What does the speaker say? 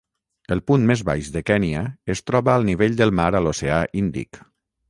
El punt més baix de Kènia es troba al nivell del mar a l'oceà Índic.